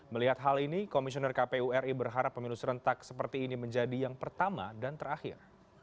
melihat hal ini komisioner kpu ri berharap pemilu serentak seperti ini menjadi yang pertama dan terakhir